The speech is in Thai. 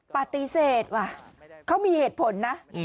ปฏิเสธว่ะเขามีเหตุผลนะ